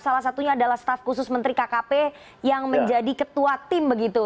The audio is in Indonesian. salah satunya adalah staf khusus menteri kkp yang menjadi ketua tim begitu